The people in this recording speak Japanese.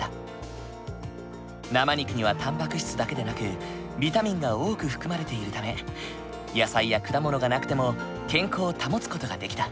生肉にはたんぱく質だけでなくビタミンが多く含まれているため野菜や果物がなくても健康を保つ事ができた。